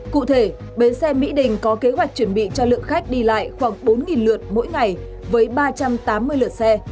cụ thể bến xe mỹ đình có kế hoạch chuẩn bị cho lượng khách đi lại khoảng bốn lượt mỗi ngày với ba trăm tám mươi lượt xe